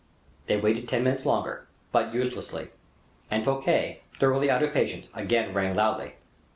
They waited ten minutes longer, but uselessly, and Fouquet, thoroughly out of patience, again rang loudly.